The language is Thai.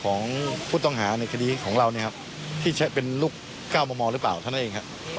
ของผู้ต้องหาในคดีของเราเนี่ยครับที่ใช้เป็นลูก๙มมหรือเปล่าเท่านั้นเองครับ